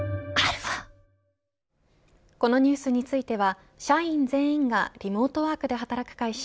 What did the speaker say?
このニュースについては社員全員がリモートワークで働く会社。